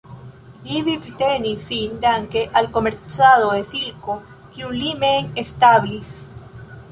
Li vivtenis sin danke al komercado de silko kiun li mem establis.